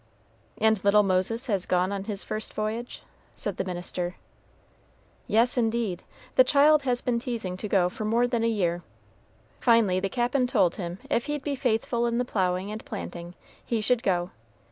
"And little Moses has gone on his first voyage?" said the minister. "Yes, indeed; the child has been teasing to go for more than a year. Finally the Cap'n told him if he'd be faithful in the ploughing and planting, he should go.